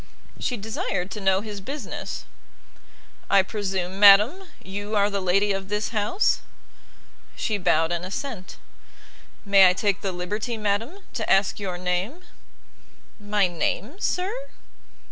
She desired to know his business. "I presume, madam, you are the lady of this house?" She bowed an assent. "May I take the liberty, madam, to ask your name?' "My name, sir?"